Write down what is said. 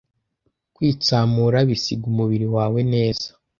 Kwitsamura bisiga umubiri wawe neza